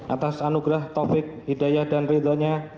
atas anugerah topik hidayah dan ridhanya